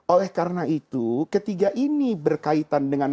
oleh karena itu ketiga ini berkaitan dengan